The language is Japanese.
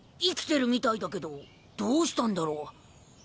生きてるみたいだけどどうしたんだろう？